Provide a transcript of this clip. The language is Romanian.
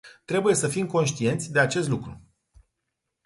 Trebuie să fim conștienți de acest lucru.